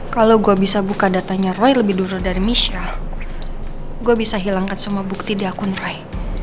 kalau gue bisa buka datanya roy lebih dulu dari michelle gue bisa hilangkan semua bukti di akun roy